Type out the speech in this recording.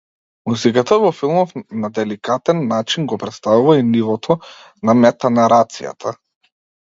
Музиката во филмов на деликатен начин го претставува и нивото на метанарацијата.